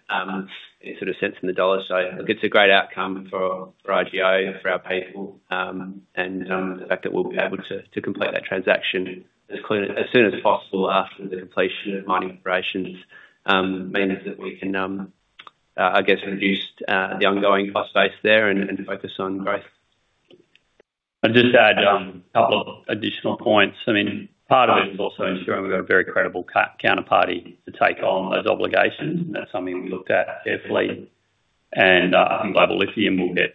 It sort of cents on the dollar. It's a great outcome for IGO, for our people. The fact that we'll be able to complete that transaction as soon as possible after the completion of mining operations means that we can, I guess, reduce the ongoing cost base there and focus on growth. I'd just add a couple of additional points. Part of it is also ensuring we've got a very credible counterparty to take on those obligations. That's something we looked at carefully. I think Global Lithium will get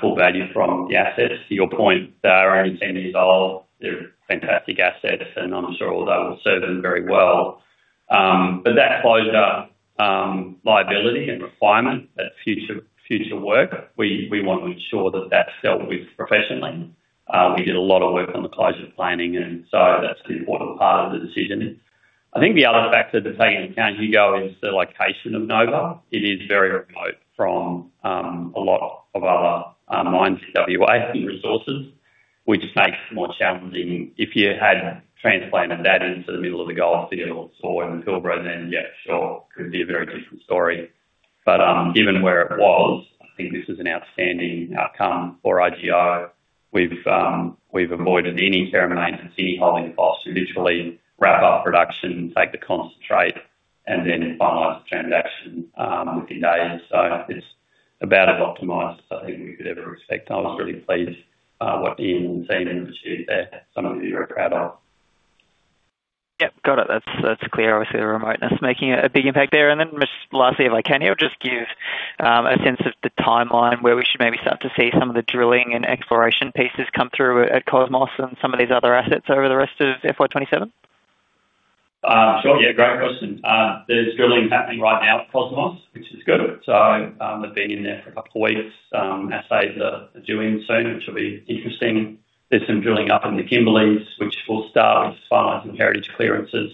full value from the assets. To your point, they are only 10 years old. They're fantastic assets, and I'm sure although will serve them very well. That closed up liability and requirement, that future work, we want to ensure that that's dealt with professionally. We did a lot of work on the closure planning, that's an important part of the decision. I think the other factor to take into account, Hugo, is the location of Nova. It is very remote from a lot of our mines in W.A. and resources. Which makes it more challenging. If you had transplanted that into the middle of the Goldfields or in Pilbara, yeah, sure, could be a very different story. Given where it was, I think this is an outstanding outcome for IGO. We've avoided any terminations, any holding costs to literally wrap up production, take the concentrate, and then finalize the transaction within days. It's about as optimized as I think we could ever expect. I was really pleased what Ian and the team have achieved there. Something to be very proud of. Yep, got it. That's clear. Obviously, the remoteness making a big impact there. Lastly, if I can here, just give a sense of the timeline where we should maybe start to see some of the drilling and exploration pieces come through at Cosmos and some of these other assets over the rest of FY 2027? Sure. Yeah, great question. There's drilling happening right now at Cosmos, which is good. They've been in there for a couple of weeks. Assays are due in soon, which will be interesting. There's some drilling up in the Kimberley, which will start as soon as we finalize some heritage clearances.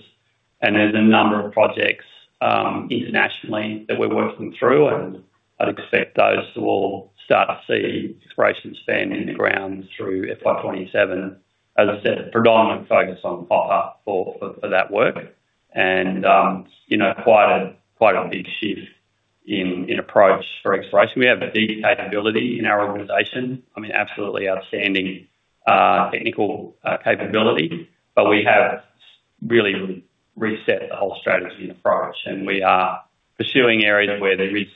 There's a number of projects internationally that we're working through, and I'd expect those to all start to see exploration standing in the ground through FY 2026. As I said, predominant focus on copper for that work and quite a big shift in approach for exploration. We have a deep capability in our organization. I mean, absolutely outstanding technical capability. We have really reset the whole strategy and approach, and we are pursuing areas where there is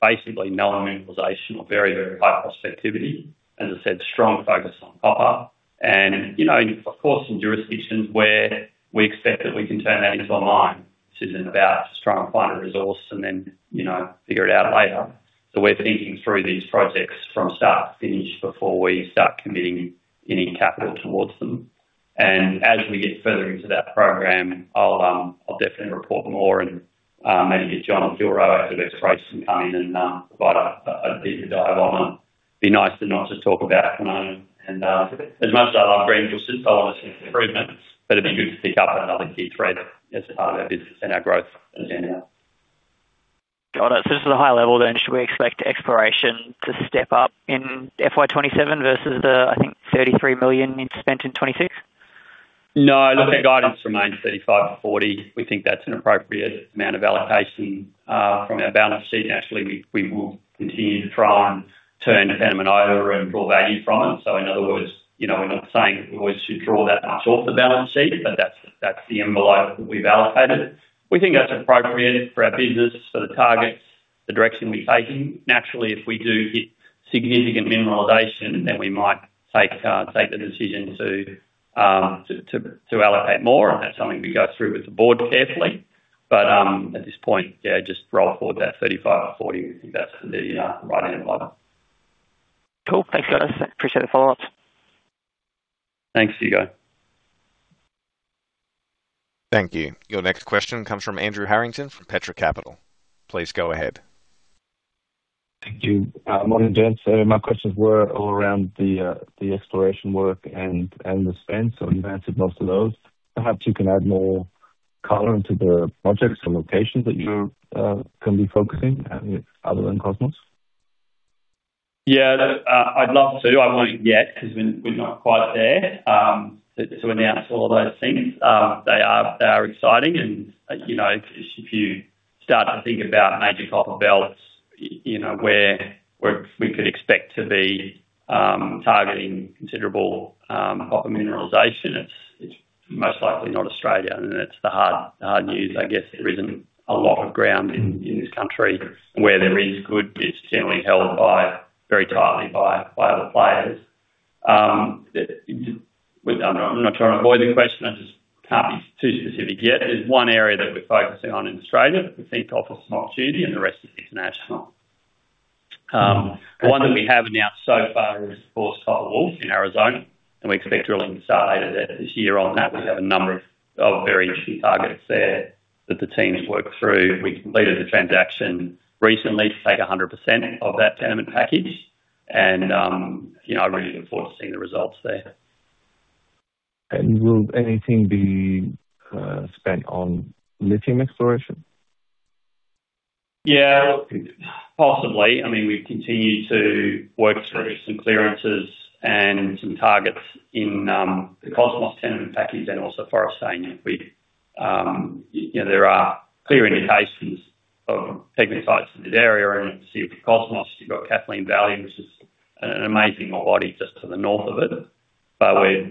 basically no mineralization or very high prospectivity. As I said, strong focus on copper and, of course, in jurisdictions where we expect that we can turn that into a mine. This isn't about trying to find a resource and then figure it out later. We're thinking through these projects from start to finish before we start committing any capital towards them. As we get further into that program, I'll definitely report more and maybe get John or Gilroy out of exploration to come in and provide a deeper dive on. It'd be nice to not just talk about Kwinana and as much as I love Greenbushes, I want to see some improvements, but it'd be good to pick up another key thread as part of our business and our growth agenda. Got it. Just at a high level then, should we expect exploration to step up in FY 2027 versus the, I think, 33 million you spent in 2026? No, look, our guidance remains 35 million-40 million. We think that's an appropriate amount of allocation from our balance sheet. Naturally, we will continue to try and turn the tenement over and draw value from it. In other words, we're not saying that we always should draw that much off the balance sheet, but that's the envelope that we've allocated. We think that's appropriate for our business, for the targets, the direction we're taking. Naturally, if we do hit significant mineralization, then we might take the decision to allocate more, and that's something we go through with the board carefully. At this point, yeah, just roll forward that 35 million-40 million. We think that's the right envelope. Cool. Thanks, guys. Appreciate the follow-up. Thanks, Hugo. Thank you. Your next question comes from Andrew Harrington from Petra Capital. Please go ahead. Thank you. Morning, gents. My questions were all around the exploration work and the spend. You've answered most of those. Perhaps you can add more color into the projects or locations that you can be focusing other than Cosmos. Yeah, I'd love to. I won't yet because we're not quite there to announce all those things. They are exciting and, if you start to think about major copper belts, where we could expect to be targeting considerable copper mineralization, it's most likely not Australia. It's the hard news, I guess. There isn't a lot of ground in this country. Where there is good, it's generally held very tightly by other players. I'm not trying to avoid the question. I just can't be too specific yet. There's one area that we're focusing on in Australia that we think offers some opportunity, and the rest is international. One that we have announced so far is Copper Wolf in Arizona, and we expect drilling to start this year on that. We have a number of very interesting targets there that the team has worked through. We completed the transaction recently to take 100% of that tenement package, and I really look forward to seeing the results there. Will anything be spent on lithium exploration? Yeah. Possibly. I mean, we've continued to work through some clearances and some targets in the Cosmos tenement package and also Forrestania. There are clear indications of pegmatites in this area and obviously with Cosmos, you've got Kathleen Valley, which is an amazing body just to the north of it.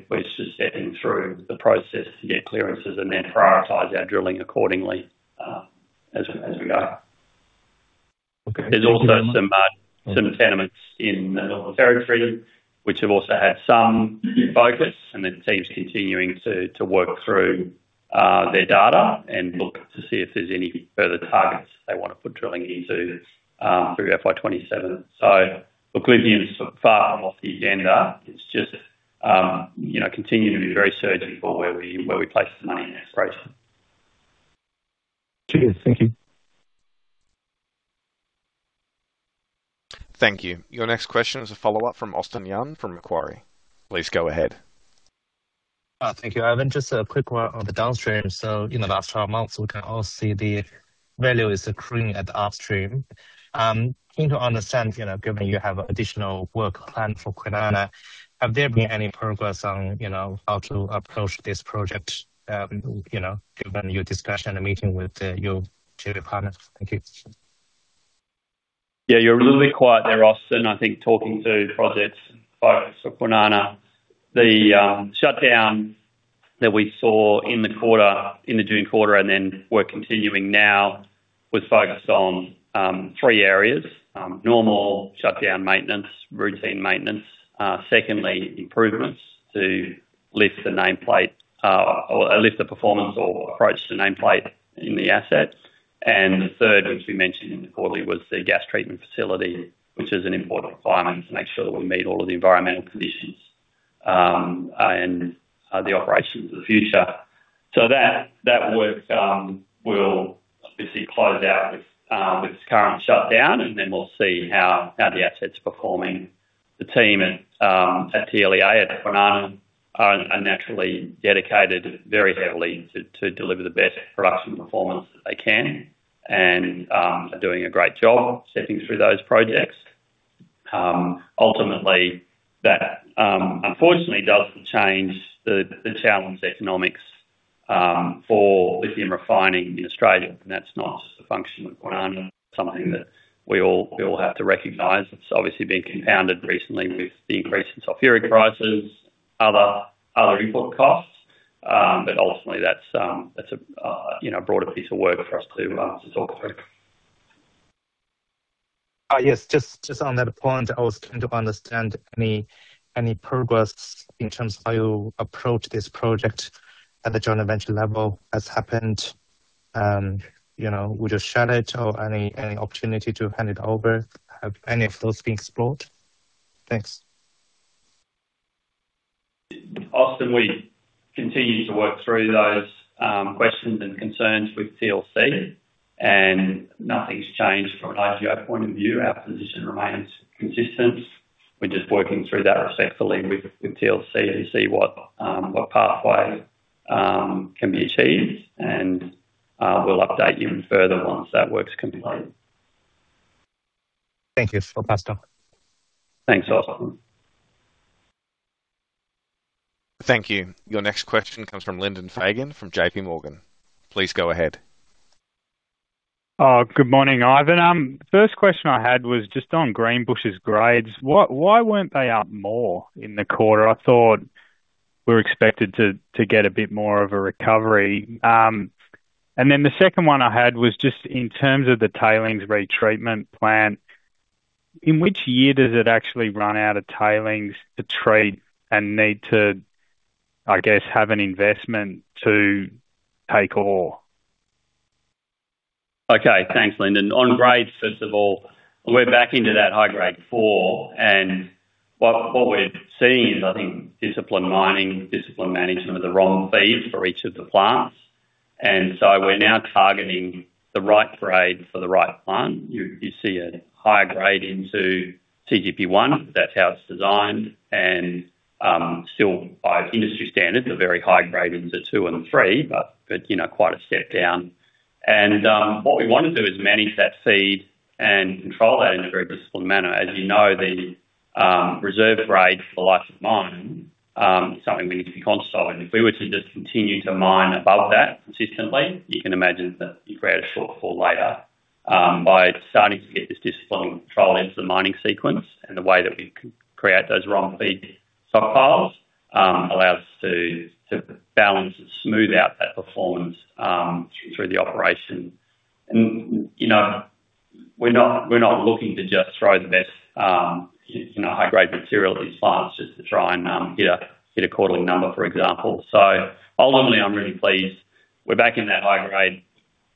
We're just stepping through the process to get clearances and then prioritize our drilling accordingly, as we go. Okay. There's also some tenements in the Northern Territory which have also had some focus, and the team's continuing to work through their data and look to see if there's any further targets they want to put drilling into through FY 2027. Lithium is far from off the agenda. It's just continuing to be very surgical where we place the money in exploration. Cheers. Thank you. Thank you. Your next question is a follow-up from Austin Yun from Macquarie. Please go ahead. Thank you, Ivan. Just a quick one on the downstream. In the last 12 months, we can all see the value is accruing at the upstream. Keen to understand, given you have additional work planned for Kwinana, have there been any progress on how to approach this project, given your discussion and meeting with your joint partners? Thank you. You're really quiet there, Austin. I think talking to projects, folks for Kwinana, the shutdown that we saw in the June quarter, and then we're continuing now, was focused on three areas. Normal shutdown maintenance, routine maintenance. Secondly, improvements to lift the performance or approach to nameplate in the asset. The third, which we mentioned in the quarterly, was the gas treatment facility, which is an important requirement to make sure that we meet all of the environmental conditions, and the operations of the future. That work will obviously close out with this current shutdown, and then we'll see how the asset's performing. The team at TLEA at Kwinana are naturally dedicated very heavily to deliver the best production performance that they can and are doing a great job seeing through those projects. Ultimately, that unfortunately doesn't change the challenged economics for lithium refining in Australia, and that's not just a function of Kwinana. It's something that we all have to recognize. It's obviously been compounded recently with the increase in sulfuric prices, other input costs. Ultimately, that's a broader piece of work for us to sort through. Yes. Just on that point, I was trying to understand any progress in terms of how you approach this project at the joint venture level has happened. Would you share it or any opportunity to hand it over? Have any of those been explored? Thanks. Austin, we continue to work through those questions and concerns with TLC. Nothing's changed from an IGO point of view. Our position remains consistent. We're just working through that respectfully with TLC to see what pathway can be achieved. We'll update you further once that work's complete. Thank you for the update. Thanks, Austin. Thank you. Your next question comes from Lyndon Fagan from JPMorgan. Please go ahead. Good morning, Ivan. First question I had was just on Greenbushes grades. Why weren't they up more in the quarter? I thought we were expected to get a bit more of a recovery. The second one I had was just in terms of the tailings retreatment plant, in which year does it actually run out of tailings to treat and need to, I guess, have an investment to take ore? Okay. Thanks, Lyndon. On grades, first of all, we're back into that High Grade 4, what we're seeing is, I think, discipline mining, discipline management of the ROM feeds for each of the plants. We're now targeting the right grade for the right plant. You see a higher grade into CGP1. That's how it's designed and, still by industry standards, a very high grade into 2 and 3, but quite a step down. What we want to do is manage that feed and control that in a very disciplined manner. As you know, the reserve grade for the life of mine, is something we need to be conscious of. If we were to just continue to mine above that consistently, you can imagine that you create a shortfall later. By starting to get this discipline of control into the mining sequence and the way that we create those ROM feed stockpiles, allows us to balance and smooth out that performance through the operation. We're not looking to just throw the best high-grade material into plants just to try and hit a quarterly number, for example. Ultimately, I'm really pleased we're back in that high grade.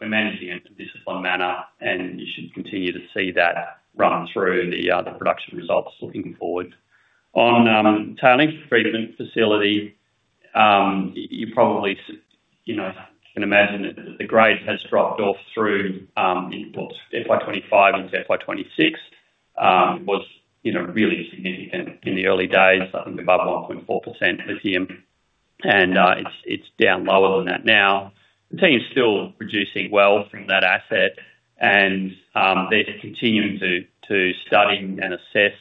We're managing it in a disciplined manner, and you should continue to see that run through the other production results looking forward. On tailings treatment facility, you probably can imagine that the grade has dropped off through in, what, FY 2025 into FY 2026. It was really significant in the early days, I think above 1.4% lithium, and it's down lower than that now. The team is still producing well from that asset and they're continuing to study and assess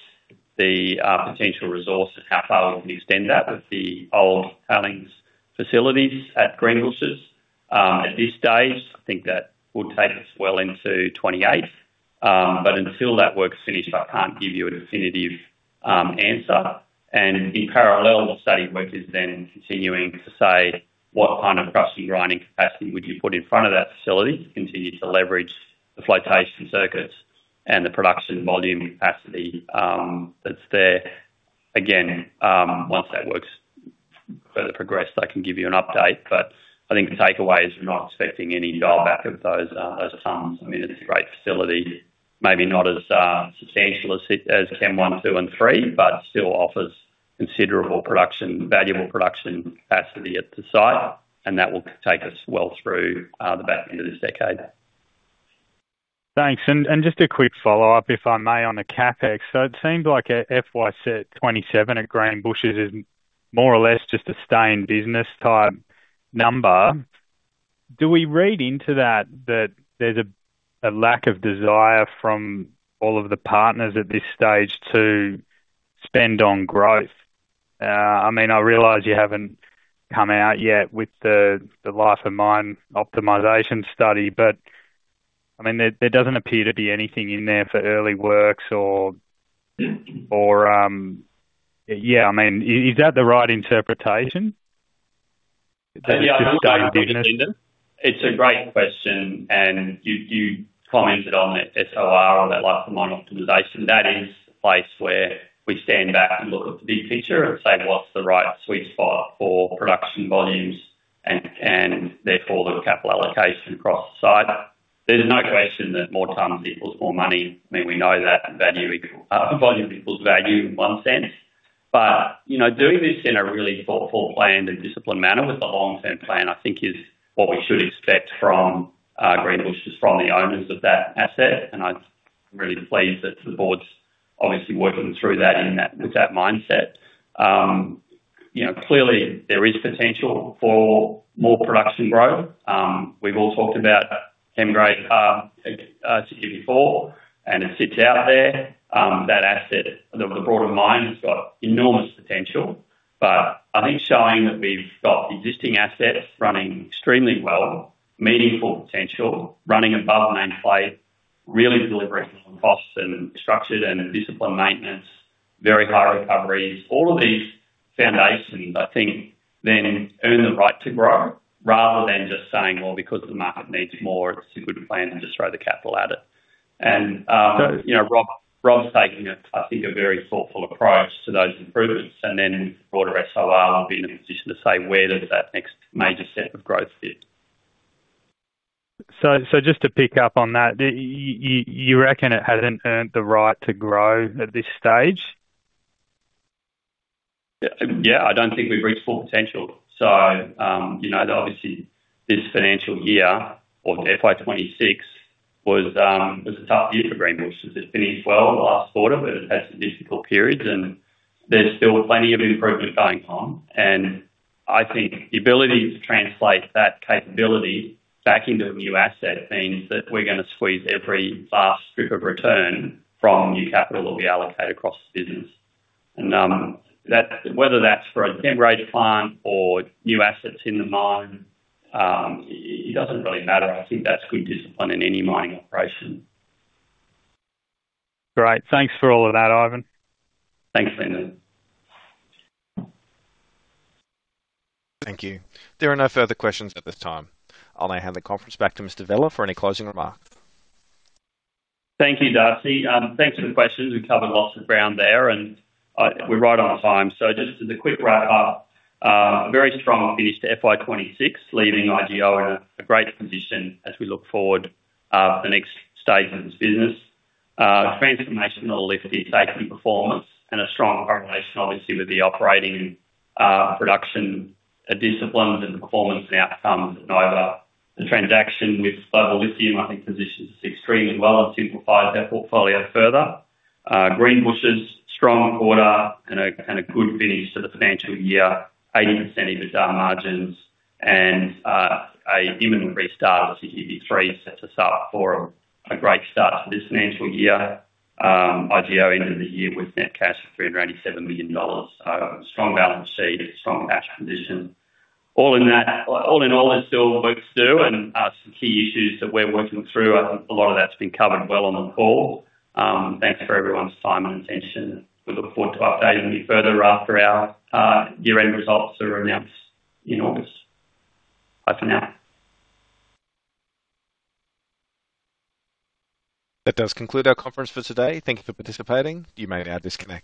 the potential resource and how far we can extend that with the old tailings facilities at Greenbushes. At this stage, I think that will take us well into 2028. Until that work's finished, I can't give you a definitive answer. In parallel, the study work is then continuing to say what kind of crushing grinding capacity would you put in front of that facility to continue to leverage the flotation circuits and the production volume capacity that's there. Again, once that work's further progressed, I can give you an update. I think the takeaway is we're not expecting any dial back of those tons. I mean, it's a great facility. Maybe not as substantial as Chem one, two, and three, but still offers considerable production, valuable production capacity at the site, and that will take us well through the back end of this decade. Thanks. Just a quick follow-up, if I may, on the CapEx. It seems like FY 2027 at Greenbushes is more or less just a stay in business type number. Do we read into that that there's a lack of desire from all of the partners at this stage to spend on growth? I realize you haven't come out yet with the life of mine optimization study, but there doesn't appear to be anything in there for early works or Is that the right interpretation? Is that just stay in business? It's a great question, you commented on that SOR or that life of mine optimization. That is the place where we stand back and look at the big picture and say what's the right sweet spot for production volumes, and therefore the capital allocation across the site. There's no question that more tons equals more money. We know that volume equals value in one sense. Doing this in a really thoughtful, planned, and disciplined manner with a long-term plan, I think is what we should expect from Greenbushes, from the owners of that asset. I'm really pleased that the board's obviously working through that with that mindset. Clearly, there is potential for more production growth. We've all talked about technical-grade carbonate, as you give before, and it sits out there. That asset, the broader mine, has got enormous potential. I think showing that we've got existing assets running extremely well, meaningful potential, running above mine plan, really delivering on costs and structured and disciplined maintenance, very high recoveries. All of these foundations, I think, then earn the right to grow rather than just saying, "Well, because the market needs more, it's a good plan to just throw the capital at it." Rob's taking, I think, a very thoughtful approach to those improvements, then broader SOR will be in a position to say where does that next major step of growth fit. Just to pick up on that, you reckon it hasn't earned the right to grow at this stage? Yeah, I don't think we've reached full potential. Obviously this financial year or FY 2026 was, it was a tough year for Greenbushes. It finished well last quarter, but it had some difficult periods and there's still plenty of improvement going on. I think the ability to translate that capability back into a new asset means that we're going to squeeze every last drip of return from new capital that we allocate across the business. Whether that's for a 10-Grade plant or new assets in the mine, it doesn't really matter. I think that's good discipline in any mining operation. Great. Thanks for all of that, Ivan. Thanks, Lyndon. Thank you. There are no further questions at this time. I'll now hand the conference back to Mr. Vella for any closing remarks. Thank you, Darcy. Thanks for the questions. We've covered lots of ground there, and we're right on time. Just as a quick wrap-up, a very strong finish to FY 2026, leaving IGO in a great position as we look forward, the next stage of this business. A transformational lithium safety performance and a strong correlation obviously, with the operating, production, disciplines and performance and outcomes at Nova. The transaction with Global Lithium, I think, positions us extremely well and simplifies our portfolio further. Greenbushes, strong quarter and a good finish to the financial year, 80% EBITDA margins and, a imminent restart of CGP3 sets us up for a great start to this financial year. IGO ended the year with net cash of 387 million dollars. A strong balance sheet, strong cash position. All in all, there's still work to do and, some key issues that we're working through. I think a lot of that's been covered well on the call. Thanks for everyone's time and attention. We look forward to updating you further after our year-end results are announced in August. Bye for now. That does conclude our conference for today. Thank you for participating. You may now disconnect.